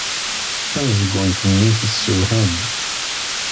Tamezgunt-nni tessewham.